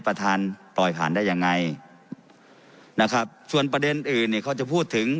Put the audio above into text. ประธานปล่อยผ่านได้ยังไงนะครับส่วนประเด็นอื่นเนี่ยเขาจะพูดถึง